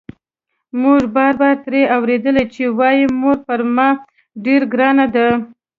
موږ بار بار ترې اورېدلي چې وايي مور پر ما ډېره ګرانه ده.